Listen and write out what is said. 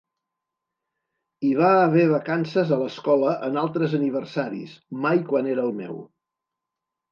Hi va haver vacances a l'escola en altres aniversaris, mai quan era el meu.